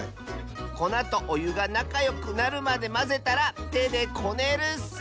こなとおゆがなかよくなるまでまぜたらてでこねるッス！